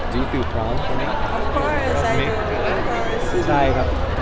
หรือปุ่มครับ